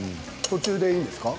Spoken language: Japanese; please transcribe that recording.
途中でいいんですか？